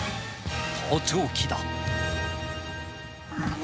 盗聴器だ。